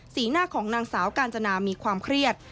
หน้าของนางสาวกาญจนามีความเครียด